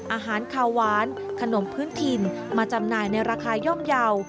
อาหารขาวหวานขนมพื้นถิ่นมาจำหน่ายในราคาย่อมเยาว์